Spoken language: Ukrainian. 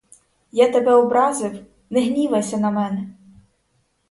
Я тебе образив — не гнівайся на мене!